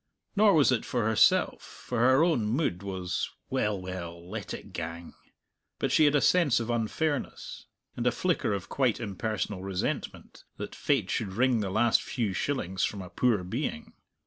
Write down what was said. Nor was it for herself, for her own mood was, "Well, well; let it gang." But she had a sense of unfairness, and a flicker of quite impersonal resentment, that fate should wring the last few shillings from a poor being.